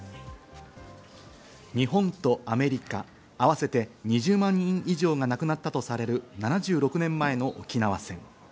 日本とアメリカ、合わせて２０万人以上が亡くなったとされる７６年前の沖縄戦。